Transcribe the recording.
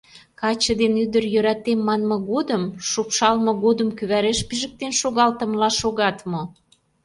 Каче ден ӱдыр «йӧратем» манме годым, шупшалме годым кӱвареш пижыктен шогалтымыла шогат мо?